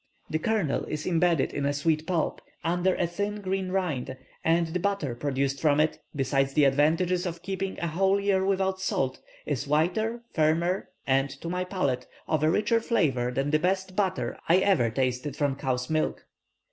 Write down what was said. The kernel is imbedded in a sweet pulp, under a thin green rind, and the butter produced from it, besides the advantage of keeping a whole year without salt, is whiter, firmer, and, to my palate, of a richer flavour than the best butter I ever tasted from cows' milk.